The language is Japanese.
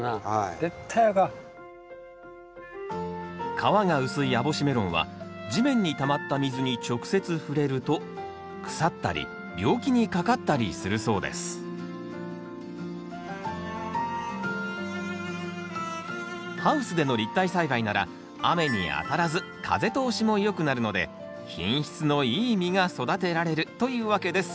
皮が薄い網干メロンは地面にたまった水に直接触れると腐ったり病気にかかったりするそうですハウスでの立体栽培なら雨に当たらず風通しもよくなるので品質のいい実が育てられるというわけです。